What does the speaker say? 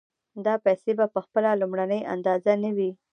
دا پیسې په خپله لومړنۍ اندازه نه وي